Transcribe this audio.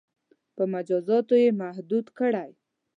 • په مجازاتو یې محدود کړئ.